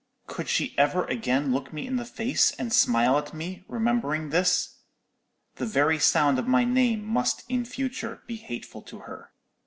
Could she ever again look me in the face, and smile at me, remembering this? The very sound of my name must in future be hateful to her.